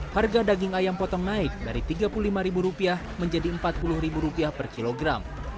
harga daging ayam potong naik dari rp tiga puluh lima menjadi rp empat puluh per kilogram